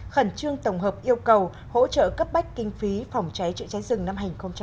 khẩn trương tổng hợp yêu cầu hỗ trợ cấp bách kinh phí phòng cháy trựa cháy rừng năm hai nghìn một mươi chín